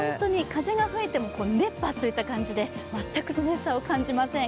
風が吹いても熱波という感じで全く涼しさを感じません。